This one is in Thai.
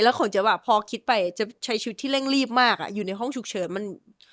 แล้วของจริงว่าพอคิดไปจะใช้ชีวิตที่เร่งรีบมากอยู่ในห้องฉุกเฉิน